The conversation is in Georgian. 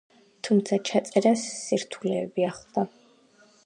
თუმცა, ჩაწერას სირთულეები ახლდა.